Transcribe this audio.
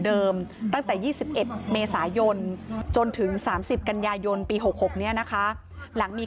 ตั้งแต่๒๑เมษายนจนถึง๓๐กันยายนปี๖๖นี้นะคะหลังมี